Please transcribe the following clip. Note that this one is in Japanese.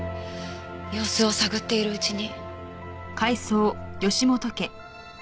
様子を探っているうちに。